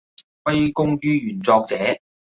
歸功於原作者